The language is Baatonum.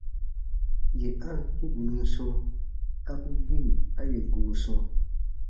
Yè a ǹ kĩ bù nun sɔ̃, a ku gbi a yè goo sɔ̃.